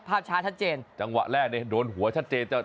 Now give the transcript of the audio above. ภาพช้าชัดเจนจังหวะแรกเนี่ยโดนหัวชัดเจนจะ